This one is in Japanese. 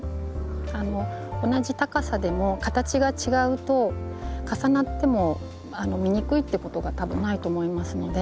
同じ高さでも形が違うと重なっても見にくいっていうことがたぶんないと思いますので。